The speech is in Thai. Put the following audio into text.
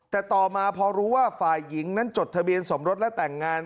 แต่ต่อมาพอรู้ว่าฝ่ายหญิงนั้นจดทะเบียนสมรสและแต่งงาน